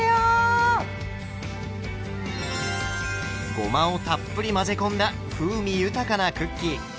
ごまをたっぷり混ぜ込んだ風味豊かなクッキー。